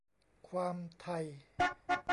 ความ "ไทย"